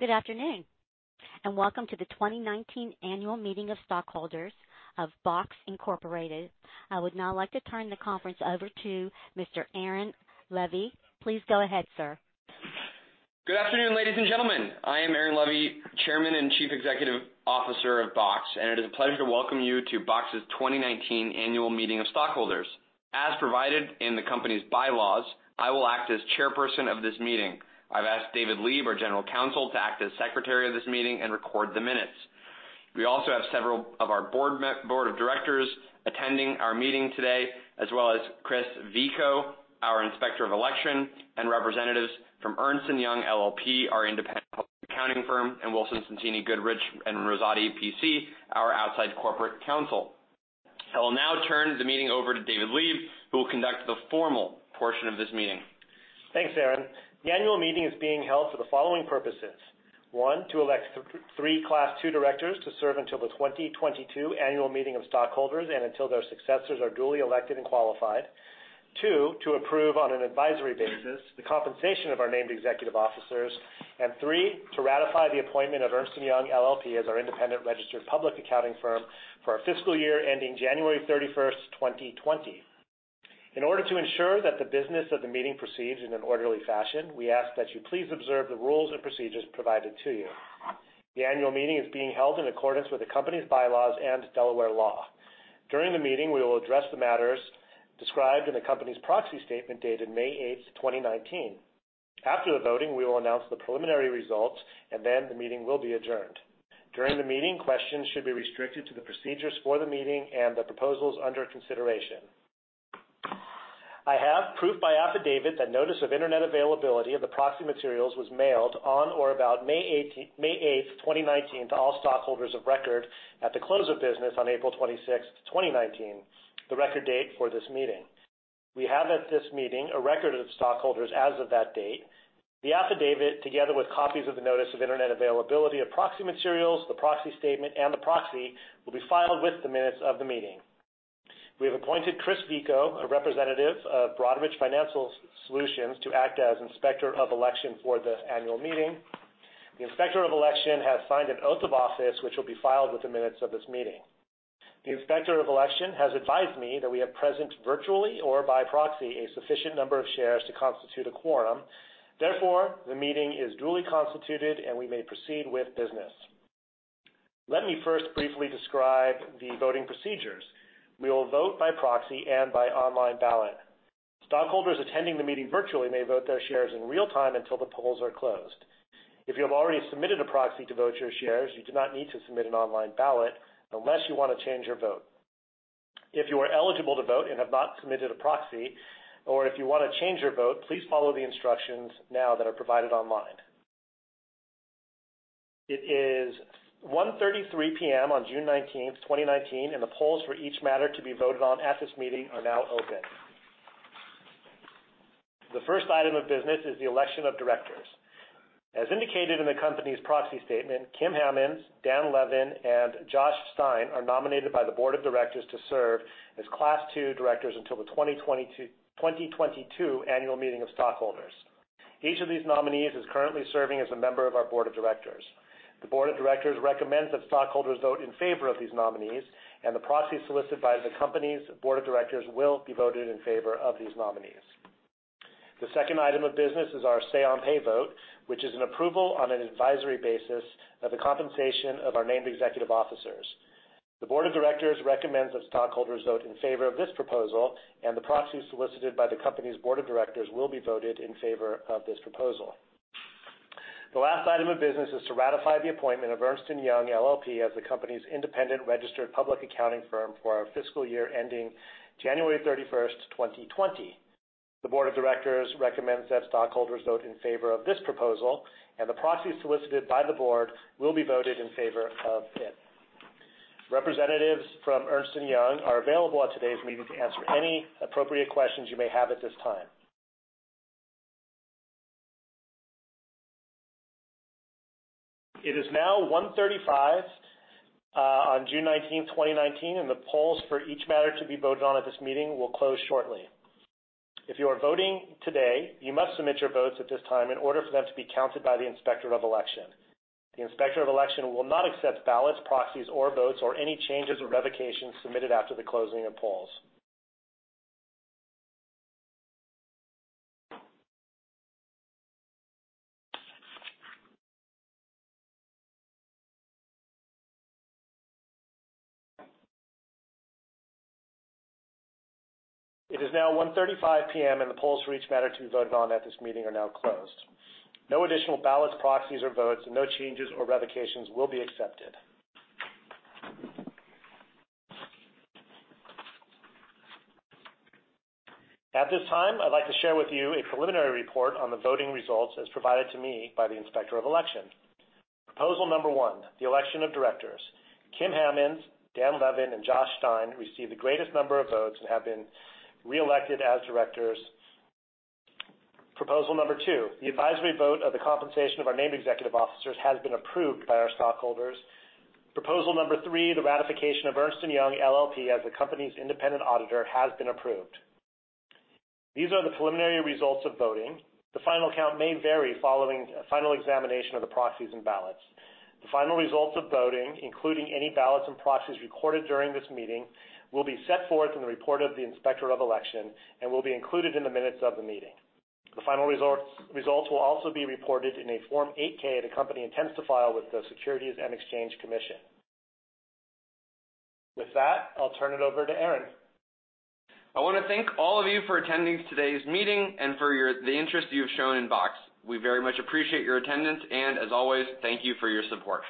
Good afternoon, welcome to the 2019 annual meeting of stockholders of Box, Inc.. I would now like to turn the conference over to Mr. Aaron Levie. Please go ahead, sir. Good afternoon, ladies and gentlemen. I am Aaron Levie, Chairman and Chief Executive Officer of Box, it is a pleasure to welcome you to Box's 2019 annual meeting of stockholders. As provided in the company's bylaws, I will act as Chairperson of this meeting. I've asked David Leeb, our general counsel, to act as Secretary of this meeting and record the minutes. We also have several of our board of directors attending our meeting today, as well as Chris Vico, our Inspector of Election, and representatives from Ernst & Young LLP, our independent public accounting firm, and Wilson Sonsini Goodrich & Rosati, P.C., our outside corporate counsel. I will now turn the meeting over to David Leeb, who will conduct the formal portion of this meeting. Thanks, Aaron. The annual meeting is being held for the following purposes. One, to elect three Class II directors to serve until the 2022 annual meeting of stockholders and until their successors are duly elected and qualified. Two, to approve on an advisory basis the compensation of our named executive officers. Three, to ratify the appointment of Ernst & Young LLP as our independent registered public accounting firm for our fiscal year ending January 31st, 2020. In order to ensure that the business of the meeting proceeds in an orderly fashion, we ask that you please observe the rules and procedures provided to you. The annual meeting is being held in accordance with the company's bylaws and Delaware law. During the meeting, we will address the matters described in the company's proxy statement dated May 8th, 2019. After the voting, we will announce the preliminary results, the meeting will be adjourned. During the meeting, questions should be restricted to the procedures for the meeting and the proposals under consideration. I have proof by affidavit that notice of internet availability of the proxy materials was mailed on or about May 8th, 2019, to all stockholders of record at the close of business on April 26th, 2019, the record date for this meeting. We have at this meeting a record of stockholders as of that date. The affidavit, together with copies of the notice of internet availability of proxy materials, the proxy statement, and the proxy, will be filed with the minutes of the meeting. We have appointed Chris Vico, a representative of Broadridge Financial Solutions, to act as Inspector of Election for the annual meeting. The Inspector of Election has signed an oath of office, which will be filed with the minutes of this meeting. The Inspector of Election has advised me that we have present virtually or by proxy a sufficient number of shares to constitute a quorum. Therefore, the meeting is duly constituted, and we may proceed with business. Let me first briefly describe the voting procedures. We will vote by proxy and by online ballot. Stockholders attending the meeting virtually may vote their shares in real time until the polls are closed. If you have already submitted a proxy to vote your shares, you do not need to submit an online ballot unless you want to change your vote. If you are eligible to vote and have not submitted a proxy, or if you want to change your vote, please follow the instructions now that are provided online. It is 1:33 P.M. on June 19th, 2019. The polls for each matter to be voted on at this meeting are now open. The first item of business is the election of directors. As indicated in the company's proxy statement, Kimberly Hammonds, Dan Levin, and Josh Stein are nominated by the Board of Directors to serve as Class II directors until the 2022 annual meeting of stockholders. Each of these nominees is currently serving as a member of our Board of Directors. The Board of Directors recommends that stockholders vote in favor of these nominees. The proxies solicited by the company's Board of Directors will be voted in favor of these nominees. The second item of business is our say on pay vote, which is an approval on an advisory basis of the compensation of our named executive officers. The Board of Directors recommends that stockholders vote in favor of this proposal. The proxies solicited by the company's Board of Directors will be voted in favor of this proposal. The last item of business is to ratify the appointment of Ernst & Young LLP as the company's independent registered public accounting firm for our fiscal year ending January 31st, 2020. The Board of Directors recommends that stockholders vote in favor of this proposal. The proxies solicited by the Board will be voted in favor of it. Representatives from Ernst & Young are available at today's meeting to answer any appropriate questions you may have at this time. It is now 1:35 P.M. on June 19th, 2019. The polls for each matter to be voted on at this meeting will close shortly. If you are voting today, you must submit your votes at this time in order for them to be counted by the Inspector of Election. The Inspector of Election will not accept ballots, proxies or votes, or any changes or revocations submitted after the closing of polls. It is now 1:35 P.M. The polls for each matter to be voted on at this meeting are now closed. No additional ballots, proxies or votes. No changes or revocations will be accepted. At this time, I'd like to share with you a preliminary report on the voting results as provided to me by the Inspector of Election. Proposal number one, the election of directors. Kimberly Hammonds, Dan Levin, and Josh Stein received the greatest number of votes and have been reelected as directors. Proposal number 2, the advisory vote of the compensation of our named executive officers has been approved by our stockholders. Proposal number 3, the ratification of Ernst & Young LLP as the company's independent auditor has been approved. These are the preliminary results of voting. The final count may vary following final examination of the proxies and ballots. The final results of voting, including any ballots and proxies recorded during this meeting, will be set forth in the report of the Inspector of Election and will be included in the minutes of the meeting. The final results will also be reported in a Form 8-K the company intends to file with the Securities and Exchange Commission. With that, I'll turn it over to Aaron. I want to thank all of you for attending today's meeting and for the interest you've shown in Box. We very much appreciate your attendance, and as always, thank you for your support.